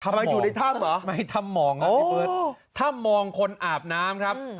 ทำมองทำมองคนอาบน้ำครับ